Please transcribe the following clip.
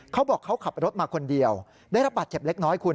เขาบอกเขาขับรถมาคนเดียวได้รับบาดเจ็บเล็กน้อยคุณ